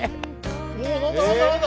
お何だ何だ何だ？